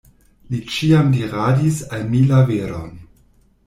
Li ĉiam diradis al mi la veron.